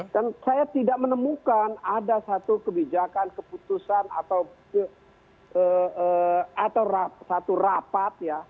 dan saya tidak menemukan ada satu kebijakan keputusan atau satu rapat ya